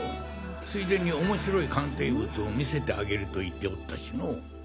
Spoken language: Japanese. ついでに面白い鑑定物を見せてあげると言っておったしのォ。